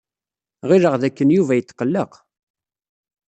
Ɣileɣ dakken Yuba yetqelleq.